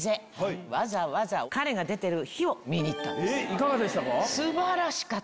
いかがでしたか？